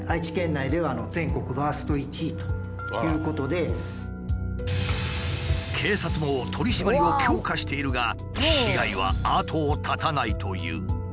今年も警察も取り締まりを強化しているが被害は後を絶たないという。